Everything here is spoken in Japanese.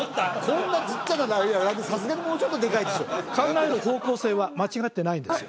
こんなちっちゃなさすがにもうちょっとでかいでしょ考える方向性は間違ってないんですよ